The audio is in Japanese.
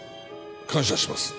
感謝します。